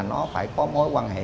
nó phải có mối quan hệ